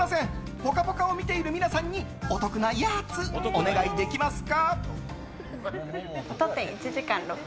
「ぽかぽか」を見ている皆さんにお得なやつ、お願いできますか？